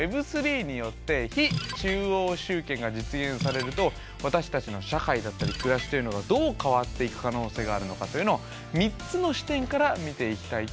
Ｗｅｂ３によって非中央集権が実現されると私たちの社会だったり暮らしというのがどう変わっていく可能性があるのかというのを３つの視点から見ていきたいと思います。